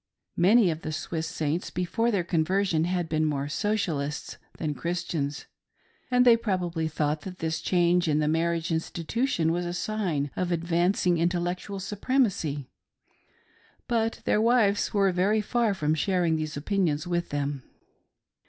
Many of the Swiss Saints before their conversion had been more Socialists than Christians, and they probably thought that this change in the marriage institution was a sign of advancing in tellectual supremacy ; but their wives were very far from shar ing these opinions with them.